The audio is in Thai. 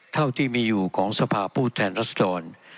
เท่าที่มีอยู่ของสภาพผู้แทนรัศดร